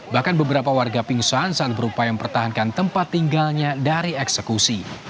bahkan beberapa warga pingsan saat berupaya mempertahankan tempat tinggalnya dari eksekusi